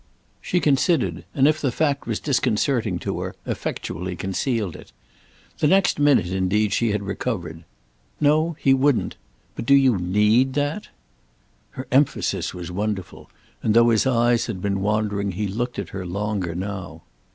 She considered, and, if the fact was disconcerting to her, effectually concealed it. The next minute indeed she had recovered. "No, he wouldn't. But do you need that?" Her emphasis was wonderful, and though his eyes had been wandering he looked at her longer now.